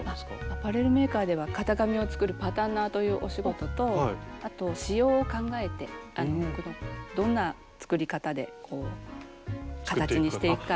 アパレルメーカーでは型紙を作るパタンナーというお仕事とあと仕様を考えて服のどんな作り方で形にしていくかということを。